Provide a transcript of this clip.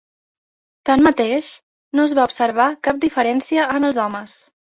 Tanmateix, no es va observar cap diferència en els homes.